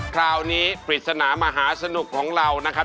คราวนี้ปริศนามหาสนุกของเรานะครับ